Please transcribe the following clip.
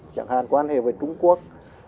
chẳng hạn quan hệ với trung quốc